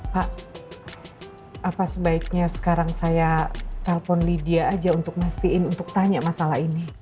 pak apa sebaiknya sekarang saya telpon lydia aja untuk mastiin untuk tanya masalah ini